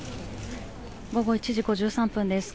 午後１時５３分です。